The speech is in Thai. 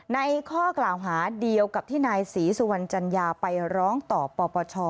ข้อกล่าวหาเดียวกับที่นายศรีสุวรรณจัญญาไปร้องต่อปปช